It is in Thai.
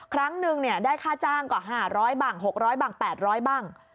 ครั้งหนึ่งได้ค่าจ้างกว่า๕๐๐บัง๖๐๐บ้าง๘๐๐บ้าง